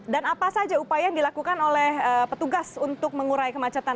dan apa saja upaya yang dilakukan oleh petugas untuk mengurai kemacetan